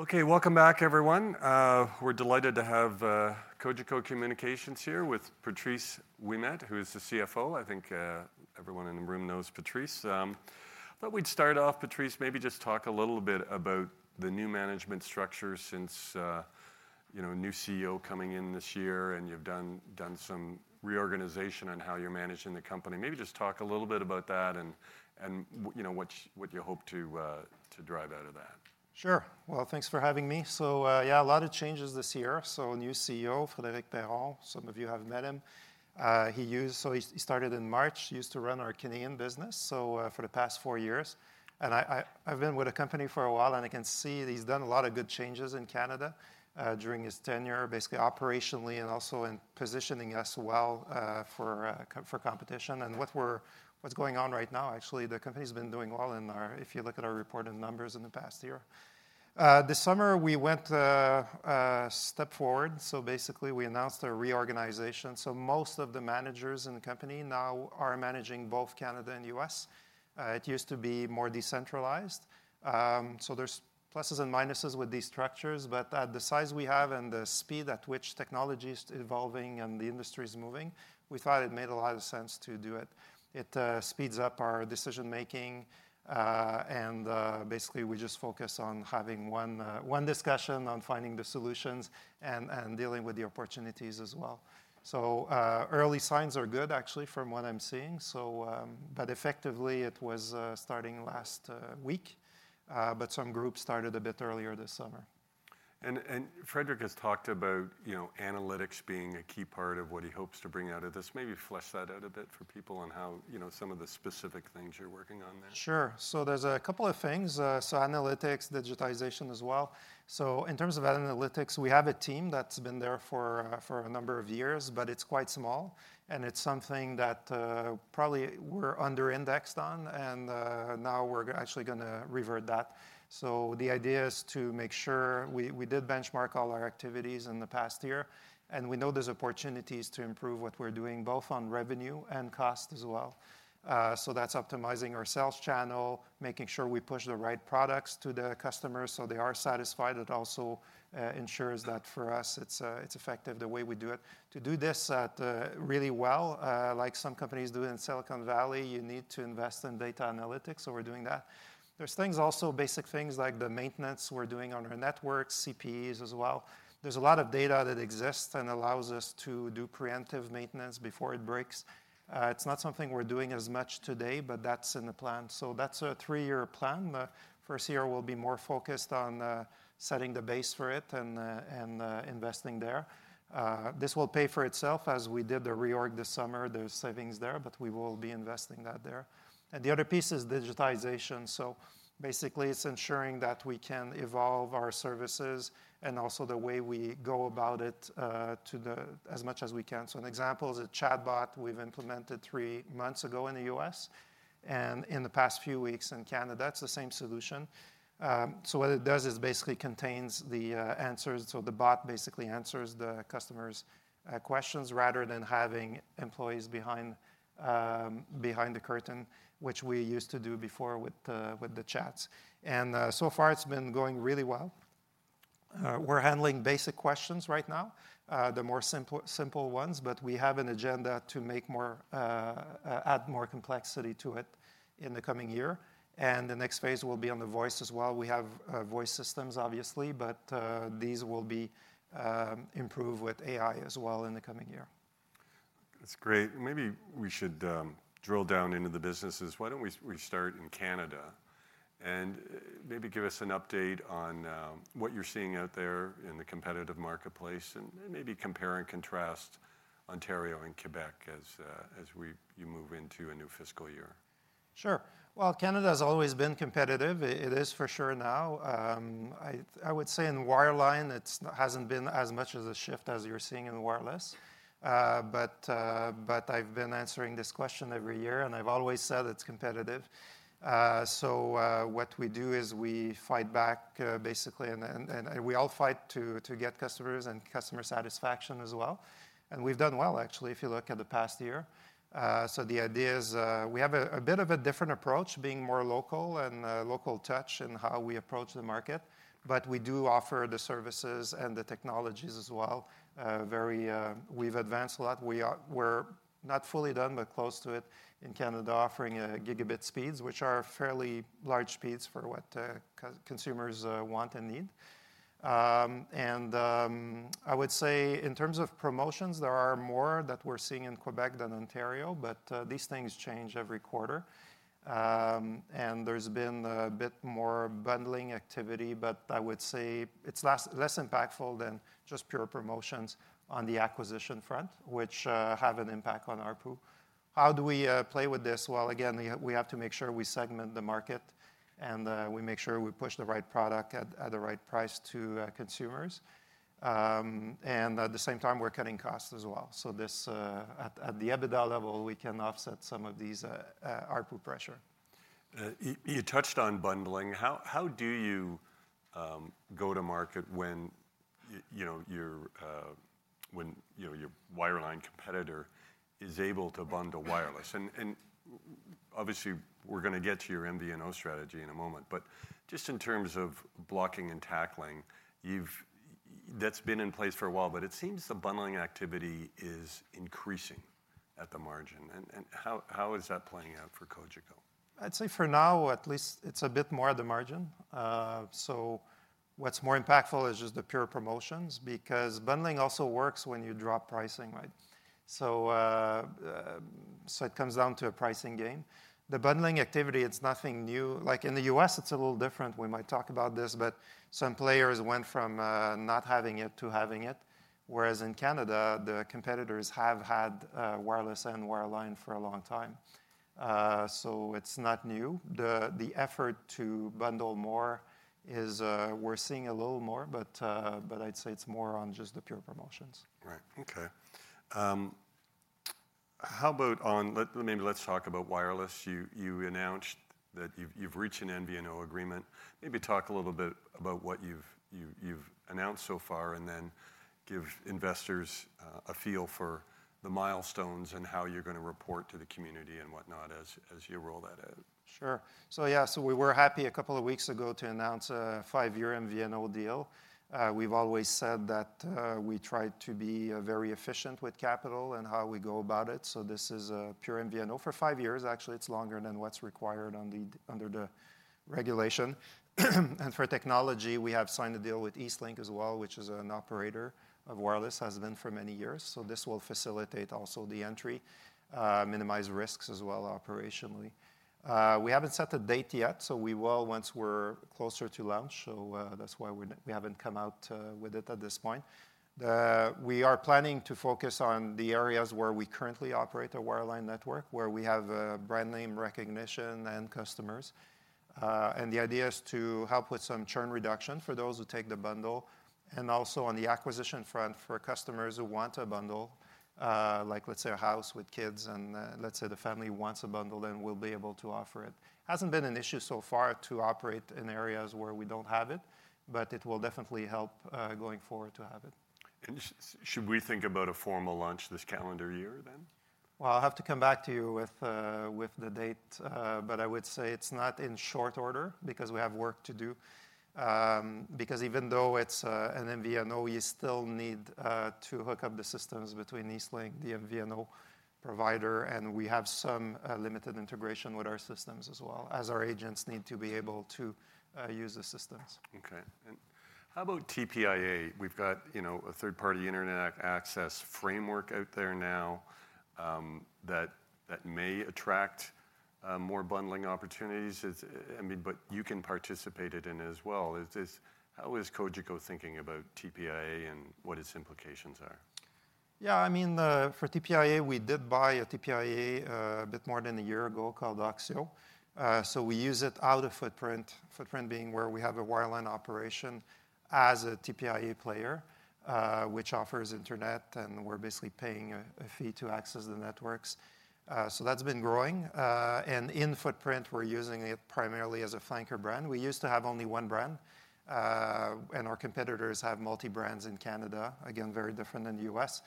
Okay, welcome back, everyone. We're delighted to have Cogeco Communications here with Patrice Ouimet, who is the CFO. I think everyone in the room knows Patrice. I thought we'd start off, Patrice, maybe just talk a little bit about the new management structure since you know, a new CEO coming in this year, and you've done some reorganization on how you're managing the company. Maybe just talk a little bit about that, and what you hope to drive out of that. Sure. Well, thanks for having me. So, yeah, a lot of changes this year. So a new CEO, Frédéric Perron. Some of you have met him. He started in March. He used to run our Canadian business, so, for the past four years. And I've been with the company for a while, and I can see that he's done a lot of good changes in Canada, during his tenure, basically operationally and also in positioning us well, for competition. And what's going on right now, actually, the company's been doing well. If you look at our reported numbers in the past year. This summer we went a step forward, so basically we announced a reorganization. So most of the managers in the company now are managing both Canada and U.S. It used to be more decentralized, so there's pluses and minuses with these structures, but at the size we have and the speed at which technology is evolving and the industry is moving, we thought it made a lot of sense to do it. It speeds up our decision-making, and basically we just focus on having one discussion on finding the solutions and dealing with the opportunities as well, so early signs are good, actually, from what I'm seeing, so but effectively it was starting last week, but some groups started a bit earlier this summer. Frédéric has talked about, you know, analytics being a key part of what he hopes to bring out of this. Maybe flesh that out a bit for people on how, you know, some of the specific things you're working on there. Sure. There's a couple of things. Analytics, digitalization as well. In terms of analytics, we have a team that's been there for a number of years, but it's quite small, and it's something that probably we're under-indexed on, and now we're actually gonna revert that. The idea is to make sure we did benchmark all our activities in the past year, and we know there's opportunities to improve what we're doing, both on revenue and cost as well. That's optimizing our sales channel, making sure we push the right products to the customers so they are satisfied. It also ensures that for us it's effective the way we do it. To do this really well, like some companies do it in Silicon Valley, you need to invest in data analytics, so we're doing that. There's things also, basic things like the maintenance we're doing on our network, CPEs as well. There's a lot of data that exists and allows us to do preemptive maintenance before it breaks. It's not something we're doing as much today, but that's in the plan, so that's a three-year plan. The first year we'll be more focused on setting the base for it and investing there. This will pay for itself as we did the reorg this summer. There's savings there, but we will be investing that there, and the other piece is digitalization. So basically, it's ensuring that we can evolve our services and also the way we go about it to the... as much as we can, so an example is a chatbot we've implemented three months ago in the U.S., and in the past few weeks in Canada. It's the same solution. So what it does is it basically contains the answers, so the bot basically answers the customer's questions rather than having employees behind the curtain, which we used to do before with the chats. And so far it's been going really well. We're handling basic questions right now, the more simple ones, but we have an agenda to add more complexity to it in the coming year. And the next phase will be on the voice as well. We have voice systems, obviously, but these will be improved with AI as well in the coming year. That's great, and maybe we should drill down into the businesses. Why don't we start in Canada, and maybe give us an update on what you're seeing out there in the competitive marketplace, and maybe compare and contrast Ontario and Quebec as we move into a new fiscal year. Sure. Well, Canada has always been competitive. It is for sure now. I would say in wireline, it hasn't been as much as a shift as you're seeing in wireless. But I've been answering this question every year, and I've always said it's competitive. What we do is we fight back, basically, and we all fight to get customers and customer satisfaction as well, and we've done well, actually, if you look at the past year. The idea is we have a bit of a different approach, being more local and local touch in how we approach the market, but we do offer the services and the technologies as well. We've advanced a lot. We're not fully done, but close to it in Canada, offering gigabit speeds, which are fairly large speeds for what consumers want and need, and I would say in terms of promotions, there are more that we're seeing in Quebec than Ontario, but these things change every quarter, and there's been a bit more bundling activity, but I would say it's less impactful than just pure promotions on the acquisition front, which have an impact on ARPU. How do we play with this? Well, again, we have to make sure we segment the market, and we make sure we push the right product at the right price to consumers, and at the same time, we're cutting costs as well, so this... At the EBITDA level, we can offset some of these ARPU pressure. You touched on bundling. How do you go to market when you know your wireline competitor is able to bundle wireless? And obviously, we're gonna get to your MVNO strategy in a moment, but just in terms of blocking and tackling, that's been in place for a while, but it seems the bundling activity is increasing at the margin. And how is that playing out for Cogeco? I'd say for now, at least, it's a bit more at the margin. So what's more impactful is just the pure promotions, because bundling also works when you drop pricing, right? So it comes down to a pricing game. The bundling activity, it's nothing new. Like, in the U.S., it's a little different. We might talk about this, but some players went from, not having it to having it, whereas in Canada, the competitors have had, wireless and wireline for a long time. So it's not new. The effort to bundle more is, we're seeing a little more, but, but I'd say it's more on just the pure promotions. Right. Okay. How about... let's talk about wireless. You announced that you've reached an MVNO agreement. Maybe talk a little bit about what you've announced so far, and then give investors a feel for the milestones and how you're gonna report to the community and whatnot as you roll that out. Sure. So yeah, so we were happy a couple of weeks ago to announce a five-year MVNO deal. We've always said that, we try to be, very efficient with capital and how we go about it, so this is a pure MVNO for five years. Actually, it's longer than what's required under the regulation. And for technology, we have signed a deal with Eastlink as well, which is an operator of wireless, has been for many years. So this will facilitate also the entry, minimize risks as well, operationally. We haven't set a date yet, so we will once we're closer to launch. So, that's why we haven't come out, with it at this point. We are planning to focus on the areas where we currently operate a wireline network, where we have, brand name recognition and customers. And the idea is to help with some churn reduction for those who take the bundle, and also on the acquisition front for customers who want to bundle, like, let's say, a house with kids, and, let's say, the family wants a bundle, then we'll be able to offer it. Hasn't been an issue so far to operate in areas where we don't have it, but it will definitely help, going forward to have it. Should we think about a formal launch this calendar year, then? I'll have to come back to you with the date, but I would say it's not in short order because we have work to do. Because even though it's an MVNO, you still need to hook up the systems between Eastlink, the MVNO provider, and we have some limited integration with our systems as well as our agents need to be able to use the systems. Okay. And how about TPIA? We've got, you know, a third-party internet access framework out there now, that may attract more bundling opportunities. It's, I mean, but you can participate in it as well. Is this... How is Cogeco thinking about TPIA and what its implications are? Yeah, I mean, for TPIA, we did buy a TPIA, a bit more than a year ago called Oxio. So we use it out of footprint, footprint being where we have a wireline operation as a TPIA player, which offers internet, and we're basically paying a fee to access the networks. So that's been growing. And in footprint, we're using it primarily as a flanker brand. We used to have only one brand, and our competitors have multi-brands in Canada. Again, very different than the U.S.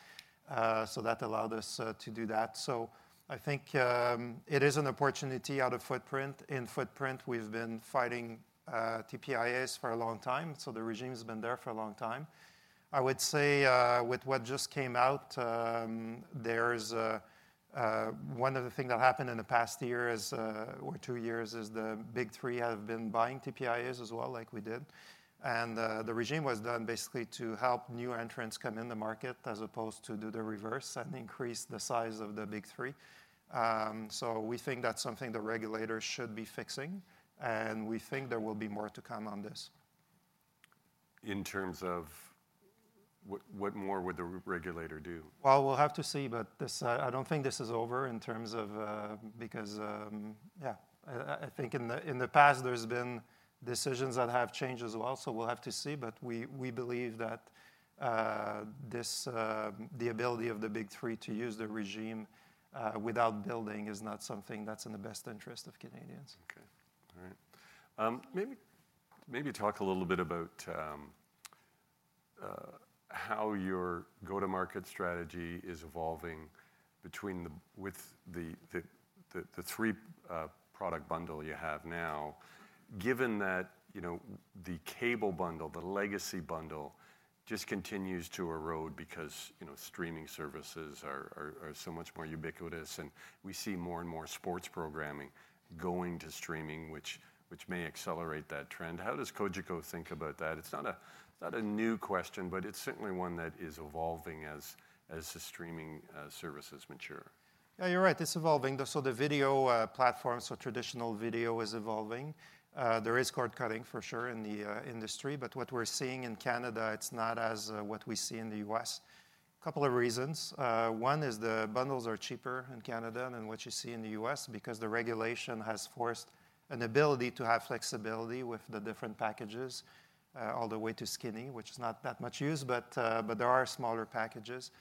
So that allowed us to do that. So I think it is an opportunity out-of-footprint. In footprint, we've been fighting TPIA for a long time, so the regime's been there for a long time. I would say with what just came out, there's a... One of the thing that happened in the past year is, or two years, is the Big Three have been buying TPIA as well, like we did. And, the regime was done basically to help new entrants come in the market, as opposed to do the reverse and increase the size of the Big Three. So we think that's something the regulators should be fixing, and we think there will be more to come on this. In terms of... What more would the regulator do? We'll have to see, but this. I don't think this is over in terms of... Because, I think in the past, there's been decisions that have changed as well, so we'll have to see. But we believe that this, the ability of the Big Three to use the regime without building is not something that's in the best interest of Canadians. Okay. All right. Maybe talk a little bit about how your go-to-market strategy is evolving with the three product bundle you have now, given that, you know, the cable bundle, the legacy bundle, just continues to erode because, you know, streaming services are so much more ubiquitous, and we see more and more sports programming going to streaming, which may accelerate that trend. How does Cogeco think about that? It's not a new question, but it's certainly one that is evolving as the streaming services mature. Yeah, you're right, it's evolving. So the video platform, so traditional video is evolving. There is cord-cutting, for sure, in the industry, but what we're seeing in Canada, it's not as what we see in the U.S. Couple of reasons. One is the bundles are cheaper in Canada than what you see in the U.S. because the regulation has forced an ability to have flexibility with the different packages, all the way to skinny, which is not that much used, but there are smaller packages.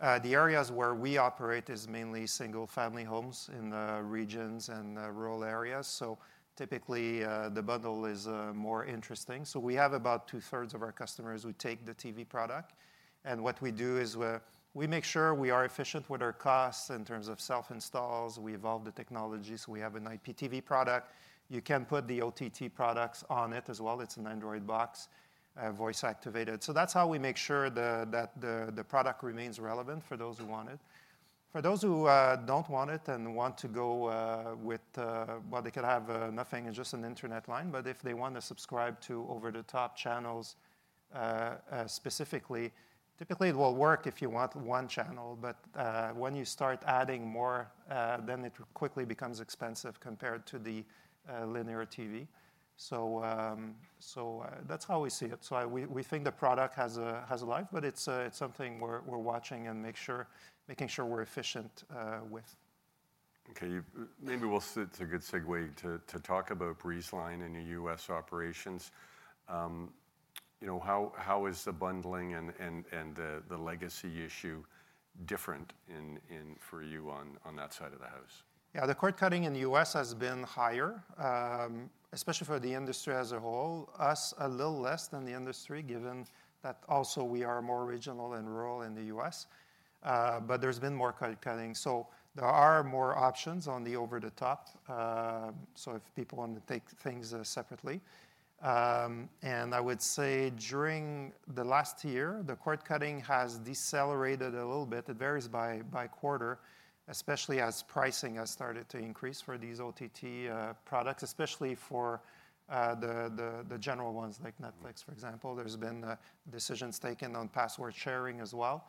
The areas where we operate is mainly single-family homes in the regions and rural areas, so typically the bundle is more interesting. So we have about two-thirds of our customers who take the TV product, and what we do is, we make sure we are efficient with our costs in terms of self-installs. We evolve the technologies. We have an IPTV product. You can put the OTT products on it as well. It's an Android box, voice-activated. So that's how we make sure that the product remains relevant for those who want it. For those who don't want it and want to go with... Well, they could have nothing and just an internet line, but if they want to subscribe to over-the-top channels, specifically, typically it will work if you want one channel, but when you start adding more, then it quickly becomes expensive compared to the linear TV. So that's how we see it. We think the product has a life, but it's something we're watching and making sure we're efficient with. Okay, maybe we'll switch. It's a good segue to talk about Breezeline in the U.S., operations. You know, how is the bundling and the legacy issue different in for you on that side of the house? Yeah, the cord-cutting in the U.S. has been higher, especially for the industry as a whole. Us, a little less than the industry, given that also we are more regional and rural in the U.S., but there's been more cord-cutting, so there are more options on the over-the-top, so if people want to take things separately, and I would say during the last year, the cord-cutting has decelerated a little bit. It varies by quarter, especially as pricing has started to increase for these OTT products, especially for the general ones, like Netflix, for example. There's been decisions taken on password sharing as well,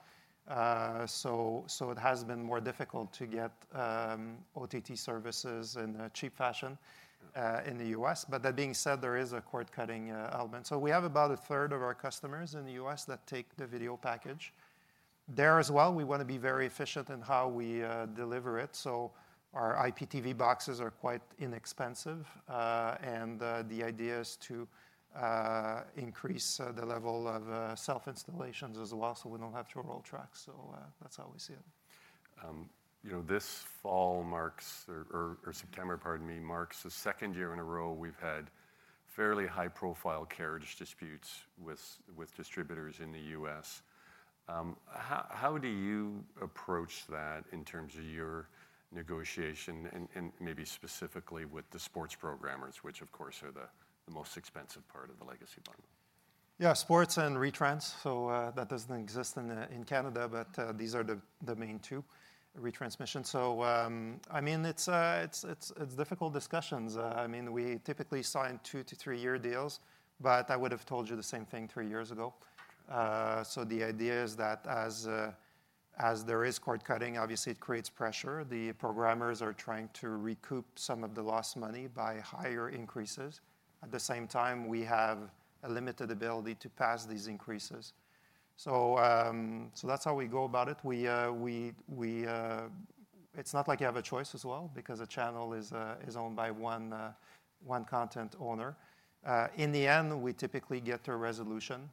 so it has been more difficult to get OTT services in a cheap fashion in the U.S., but that being said, there is a cord-cutting element. We have about a third of our customers in the U.S. that take the video package. There as well, we want to be very efficient in how we deliver it, so our IPTV boxes are quite inexpensive. The idea is to increase the level of self-installations as well, so we don't have to roll trucks. That's how we see it. You know, this fall marks or September, pardon me, marks the second year in a row we've had fairly high-profile carriage disputes with distributors in the U.S. How do you approach that in terms of your negotiation and maybe specifically with the sports programmers, which, of course, are the most expensive part of the legacy bundle? Yeah, sports and retrans, so, that doesn't exist in Canada, but, these are the main two. Retransmission. So, I mean, it's difficult discussions. I mean, we typically sign two to three-year deals, but I would have told you the same thing three years ago. So the idea is that as there is cord-cutting, obviously, it creates pressure. The programmers are trying to recoup some of the lost money by higher increases. At the same time, we have a limited ability to pass these increases. So, that's how we go about it. It's not like you have a choice as well, because a channel is owned by one content owner. In the end, we typically get to a resolution,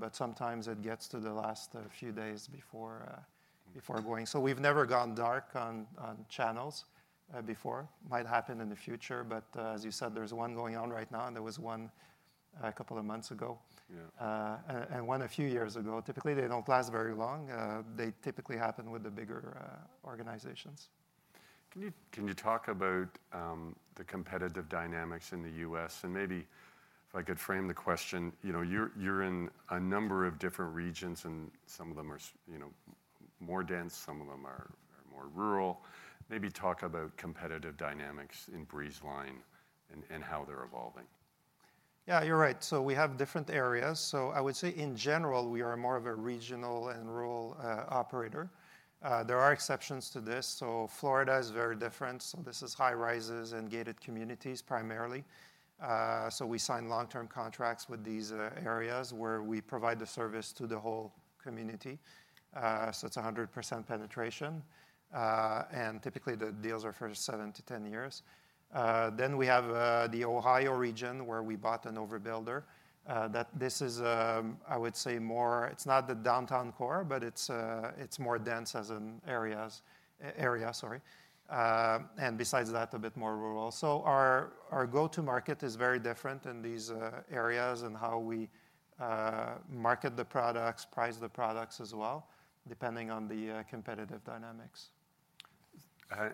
but sometimes it gets to the last few days before going. So we've never gone dark on channels before. Might happen in the future, but as you said, there's one going on right now, and there was one a couple of months ago. Yeah. One a few years ago. Typically, they don't last very long. They typically happen with the bigger organizations. Can you talk about the competitive dynamics in the U.S.? And maybe if I could frame the question, you know, you're in a number of different regions, and some of them are you know, more dense, some of them are more rural. Maybe talk about competitive dynamics in Breezeline and how they're evolving. Yeah, you're right. So we have different areas. So I would say, in general, we are more of a regional and rural operator. There are exceptions to this. So Florida is very different, so this is high-rises and gated communities primarily. So we sign long-term contracts with these areas, where we provide the service to the whole community. So it's 100% penetration, and typically, the deals are for seven to ten years. Then we have the Ohio region, where we bought an overbuilder. That this is, I would say, more. It's not the downtown core, but it's more dense as in areas, and besides that, a bit more rural. Our go-to market is very different in these areas and how we market the products, price the products as well, depending on the competitive dynamics.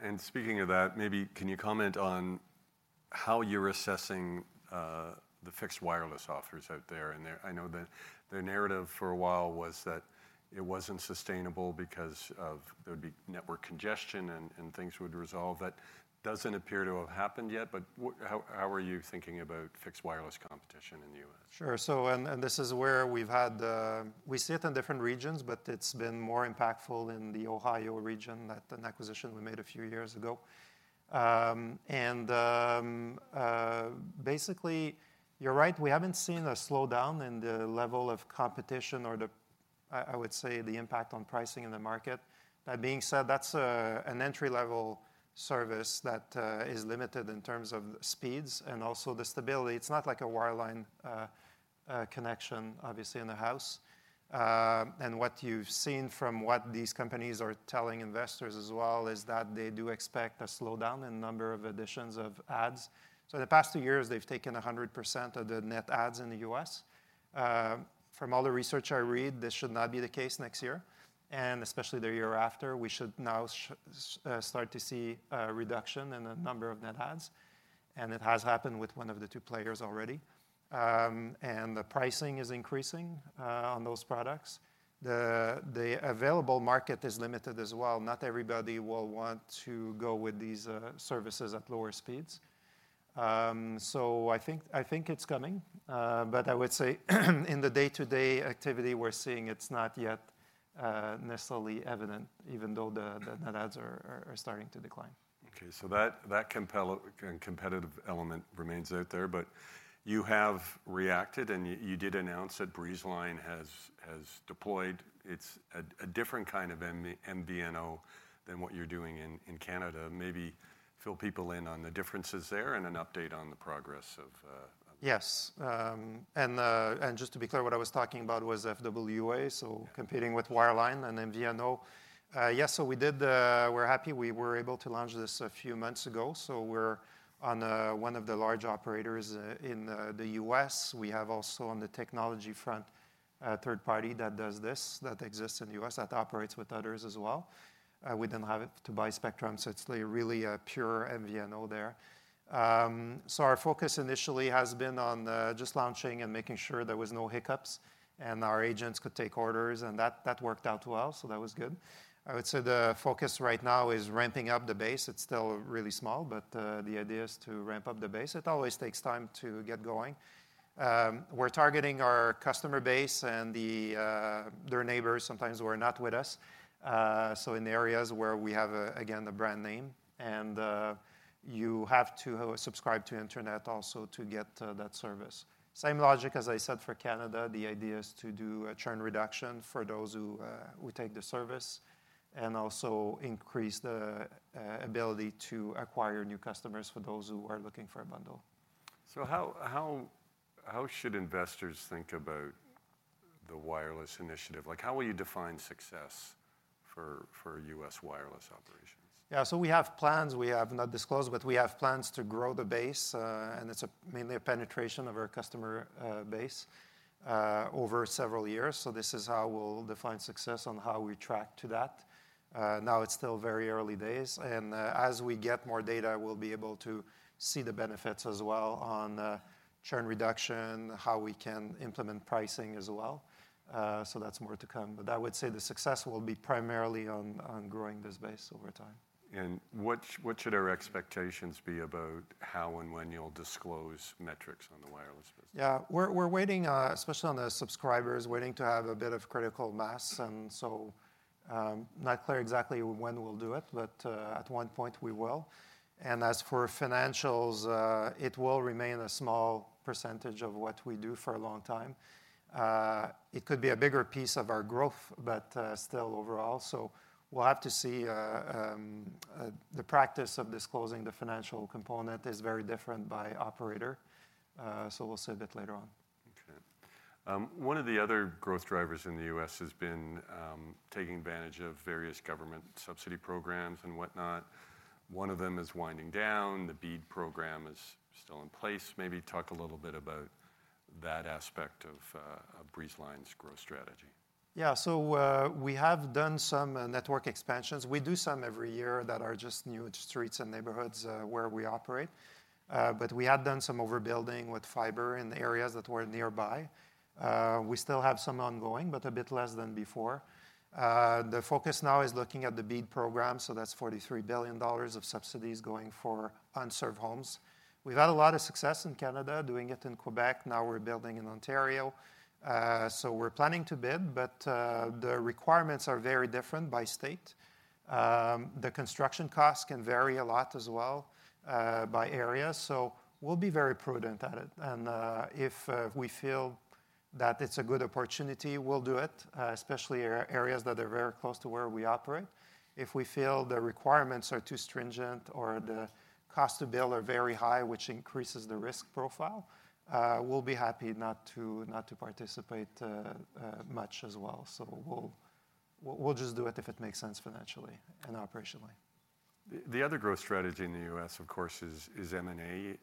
And speaking of that, maybe can you comment on how you're assessing the fixed wireless offers out there? And there, I know the narrative for a while was that it wasn't sustainable because of there'd be network congestion and things would resolve. That doesn't appear to have happened yet, but how are you thinking about fixed wireless competition in the U.S.? Sure. So, and, and this is where we've had. We see it in different regions, but it's been more impactful in the Ohio region, that, an acquisition we made a few years ago. Basically, you're right, we haven't seen a slowdown in the level of competition or the, I would say, the impact on pricing in the market. That being said, that's an entry-level service that is limited in terms of speeds and also the stability. It's not like a wireline connection, obviously, in the house. And what you've seen from what these companies are telling investors as well is that they do expect a slowdown in number of additions of adds. So the past two years, they've taken 100% of the net adds in the U.S. From all the research I read, this should not be the case next year, and especially the year after. We should now start to see a reduction in the number of net adds, and it has happened with one of the two players already, and the pricing is increasing on those products. The available market is limited as well. Not everybody will want to go with these services at lower speeds, so I think it's coming, but I would say in the day-to-day activity we're seeing, it's not yet necessarily evident, even though the net adds are starting to decline. Okay, so that competitive element remains out there, but you have reacted, and you did announce that Breezeline has deployed. It's a different kind of MVNO than what you're doing in Canada. Maybe fill people in on the differences there and an update on the progress of... Yes, and just to be clear, what I was talking about was FWA, so- Yeah... competing with wireline and MVNO. Yes, so we did... We're happy we were able to launch this a few months ago. So we're on one of the large operators in the U.S. We have also, on the technology front, a third party that does this, that exists in the U.S., that operates with others as well. We didn't have it to buy spectrum, so it's really a pure MVNO there. So our focus initially has been on just launching and making sure there was no hiccups, and our agents could take orders, and that worked out well, so that was good. I would say the focus right now is ramping up the base. It's still really small, but the idea is to ramp up the base. It always takes time to get going. We're targeting our customer base and their neighbors sometimes who are not with us, so in the areas where we have again the brand name. You have to subscribe to internet also to get that service. Same logic, as I said, for Canada. The idea is to do a churn reduction for those who take the service, and also increase the ability to acquire new customers for those who are looking for a bundle. So how should investors think about the wireless initiative? Like, how will you define success for US wireless operations? Yeah, so we have plans we have not disclosed, but we have plans to grow the base, and it's mainly a penetration of our customer base over several years. So this is how we'll define success on how we track to that. Now, it's still very early days, and as we get more data, we'll be able to see the benefits as well on churn reduction, how we can implement pricing as well. So that's more to come, but I would say the success will be primarily on growing this base over time. What should our expectations be about how and when you'll disclose metrics on the wireless business? Yeah, we're waiting, especially on the subscribers, waiting to have a bit of critical mass, and so, not clear exactly when we'll do it, but, at one point we will. And as for financials, it will remain a small percentage of what we do for a long time. It could be a bigger piece of our growth, but, still overall, so we'll have to see. The practice of disclosing the financial component is very different by operator, so we'll see that later on. Okay. One of the other growth drivers in the U.S., has been taking advantage of various government subsidy programs and whatnot. One of them is winding down. The BEAD program is still in place. Maybe talk a little bit about that aspect of Breezeline's growth strategy. Yeah, so, we have done some network expansions. We do some every year that are just new streets and neighborhoods where we operate, but we have done some overbuilding with fiber in the areas that were nearby. We still have some ongoing, but a bit less than before. The focus now is looking at the BEAD program, so that's $43 billion of subsidies going for unserved homes. We've had a lot of success in Canada, doing it in Quebec. Now we're building in Ontario. So we're planning to bid, but the requirements are very different by state. The construction costs can vary a lot as well by area, so we'll be very prudent at it, and if we feel that it's a good opportunity, we'll do it, especially areas that are very close to where we operate. If we feel the requirements are too stringent or the cost to build are very high, which increases the risk profile, we'll be happy not to participate much as well, so we'll just do it if it makes sense financially and operationally. The other growth strategy in the U.S., of course, is M&A.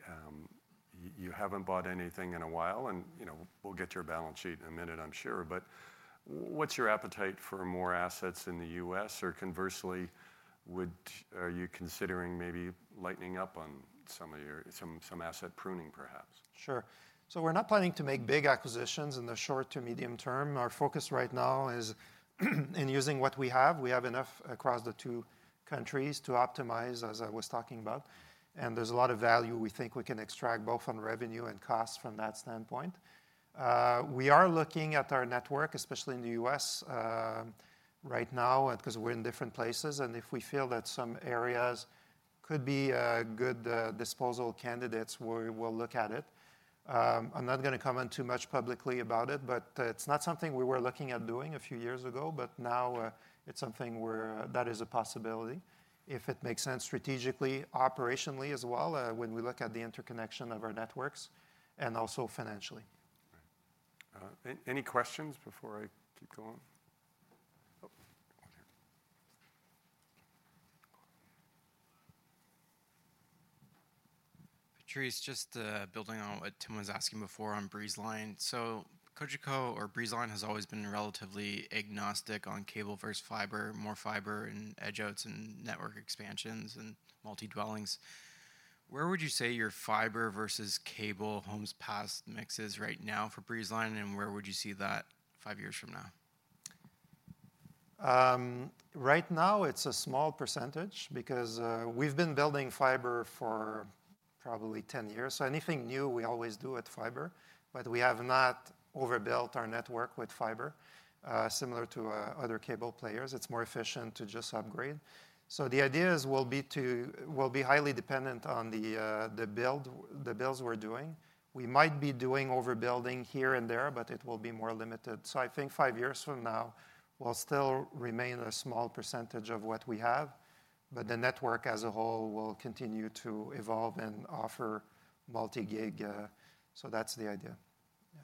You haven't bought anything in a while, and you know, we'll get to your balance sheet in a minute, I'm sure. But what's your appetite for more assets in the U.S., or conversely, would you... Are you considering maybe lightening up on some of your asset pruning, perhaps? Sure. So we're not planning to make big acquisitions in the short to medium term. Our focus right now is in using what we have. We have enough across the two countries to optimize, as I was talking about... and there's a lot of value we think we can extract, both on revenue and cost from that standpoint. We are looking at our network, especially in the U.S., right now, and 'cause we're in different places, and if we feel that some areas could be good disposal candidates, we'll look at it. I'm not gonna comment too much publicly about it, but it's not something we were looking at doing a few years ago, but now it's something that is a possibility if it makes sense strategically, operationally as well, when we look at the interconnection of our networks, and also financially. Right. Any questions before I keep going? Oh, one here. Patrice, just, building on what Tim was asking before on Breezeline. So Cogeco or Breezeline has always been relatively agnostic on cable versus fiber, more fiber and edge outs and network expansions and multi-dwellings. Where would you say your fiber versus cable homes pass mix is right now for Breezeline, and where would you see that five years from now? Right now it's a small percentage because we've been building fiber for probably 10 years, so anything new, we always do with fiber, but we have not overbuilt our network with fiber. Similar to other cable players, it's more efficient to just upgrade. The ideas will be highly dependent on the builds we're doing. We might be doing overbuilding here and there, but it will be more limited. I think 5 years from now will still remain a small percentage of what we have, but the network as a whole will continue to evolve and offer multi-gig. That's the idea. Yeah.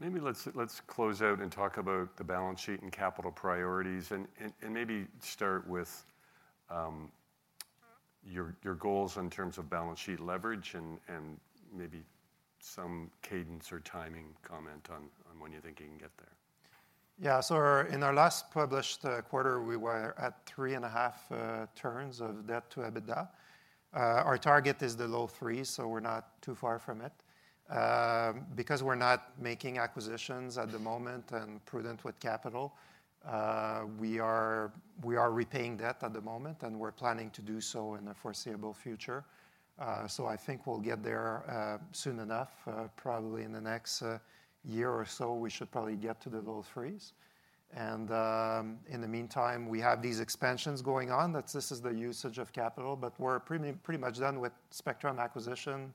Maybe let's close out and talk about the balance sheet and capital priorities and maybe start with your goals in terms of balance sheet leverage and maybe some cadence or timing comment on when you think you can get there. Yeah. So in our last published quarter, we were at three and a half turns of debt to EBITDA. Our target is the low threes, so we're not too far from it. Because we're not making acquisitions at the moment and prudent with capital, we are repaying debt at the moment, and we're planning to do so in the foreseeable future. So I think we'll get there soon enough. Probably in the next year or so, we should probably get to the low threes. In the meantime, we have these expansions going on. That's the usage of capital, but we're pretty much done with spectrum acquisition.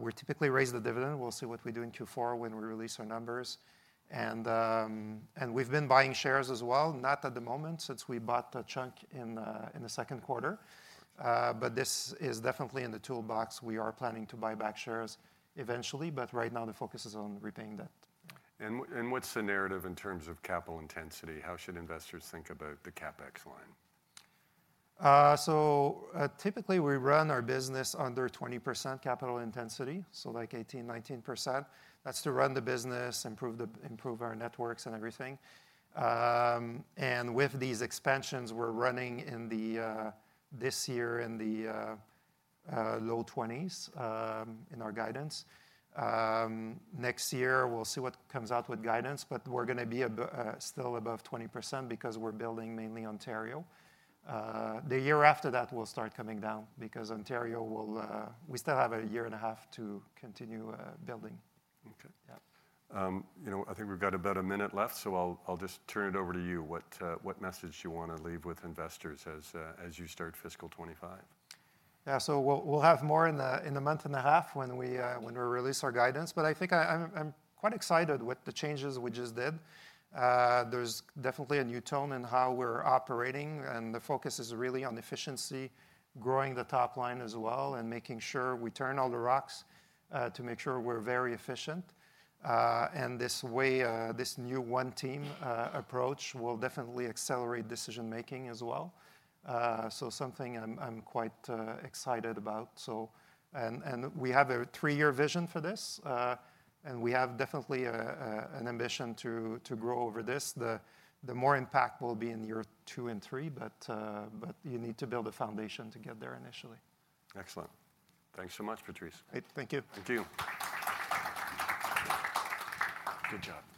We typically raise the dividend. We'll see what we do in Q4 when we release our numbers. We've been buying shares as well, not at the moment, since we bought a chunk in the second quarter. But this is definitely in the toolbox. We are planning to buy back shares eventually, but right now the focus is on repaying debt. What's the narrative in terms of capital intensity? How should investors think about the CapEx line? Typically we run our business under 20% capital intensity, so like 18, 19%. That's to run the business, improve our networks and everything. And with these expansions, we're running in the low 20s% this year in our guidance. Next year, we'll see what comes out with guidance, but we're gonna be still above 20% because we're building mainly Ontario. The year after that will start coming down because Ontario will. We still have a year and a half to continue building. Okay. Yeah. You know, I think we've got about a minute left, so I'll just turn it over to you. What message do you want to leave with investors as you start fiscal 2025? Yeah. We'll have more in the month and a half when we release our guidance, but I think I'm quite excited with the changes we just did. There's definitely a new tone in how we're operating, and the focus is really on efficiency, growing the top line as well, and making sure we turn all the rocks to make sure we're very efficient. This way, this new one team approach will definitely accelerate decision-making as well. Something I'm quite excited about. We have a three-year vision for this, and we have definitely an ambition to grow over this. The more impact will be in year two and three, but you need to build a foundation to get there initially. Excellent. Thanks so much, Patrice. Great. Thank you. Thank you. Good job. Thanks.